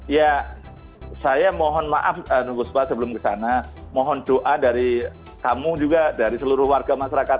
ya saya mohon maaf bu spa sebelum kesana mohon doa dari kamu juga dari seluruh warga masyarakat